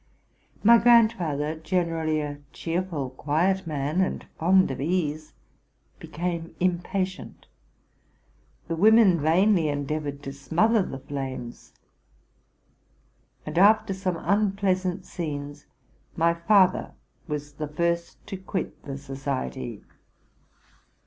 My grandfather, gener ally a cheerful, quiet man, and fond of ease, became impa tient. The women vainly endeavored to smother the flames ; and, after some unpleasant scenes, my father was the first to quit the society.